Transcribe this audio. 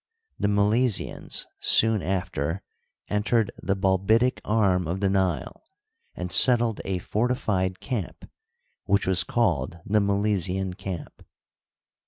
The Milesians soon after entered the Bolbitic arm of the Nile and settled a fortified camp, which w^as called the Milesian camp.